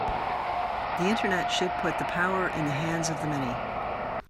The Internet should put the power in the hands of the many